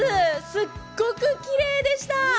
すっごくきれいでした！